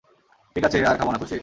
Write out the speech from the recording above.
ঠিকআছে, আর খাবো না, খুশি?